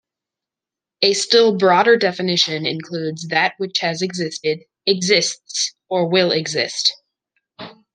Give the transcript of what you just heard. A still broader definition includes that which has existed, exists, or will exist.